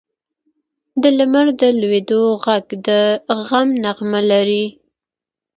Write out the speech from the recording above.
د لمر د لوېدو ږغ د غم نغمه لري.